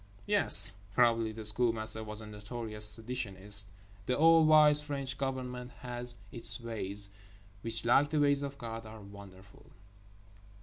Yes, probably the Schoolmaster was a notorious seditionist. The all wise French Government has its ways, which like the ways of God are wonderful.